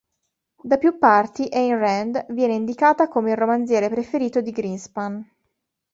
Da più parti Ayn Rand viene indicata come il romanziere preferito di Greenspan.